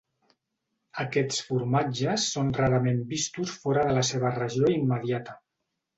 Aquests formatges són rarament vistos fora de la seva regió immediata.